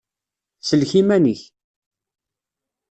Sellek iman-ik!